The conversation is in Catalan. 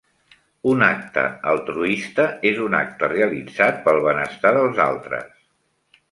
Un acte altruista és un acte realitzat pel benestar dels altres.